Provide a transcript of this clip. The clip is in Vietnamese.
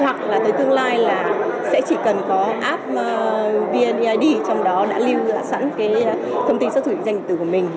hoặc là tới tương lai sẽ chỉ cần có app vneid trong đó đã lưu sẵn thông tin xác thực định danh tử của mình